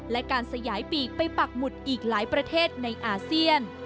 และการสยายปีกไปปักหมุดอีกหลายประเทศในอาเซียน